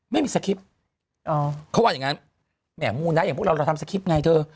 ไม่มีสคริปต์เขาว่าอย่างงั้นแหม่มูนะอย่างพวกเราเราทำสคริปต์ไงเธอ